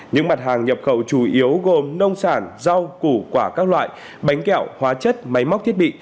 những mặt hàng nhập khẩu chủ yếu gồm nông sản rau củ quả các loại bánh kẹo hóa chất máy móc thiết bị